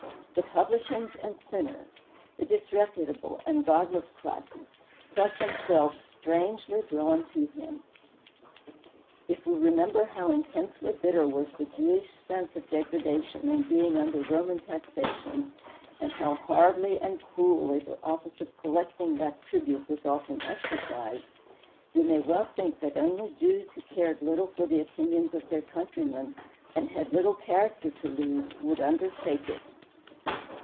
The publicans and sinners, the disreputable and godless classes, felt themselves strangely drawn to him. If we remember how intensely bitter was the Jewish sense of degradation in being under Roman taxation, and how hardly and cruelly the office of collecting that tribute was often exercised, we may well think that only Jews who cared little for the opinions of their countrymen, and had little character to lose, would undertake it.